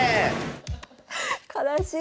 悲しい。